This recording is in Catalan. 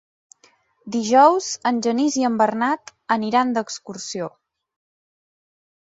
Dijous en Genís i en Bernat aniran d'excursió.